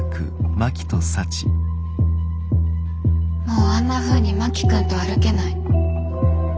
もうあんなふうに真木君と歩けない。